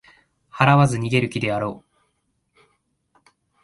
払わず逃げる気だろう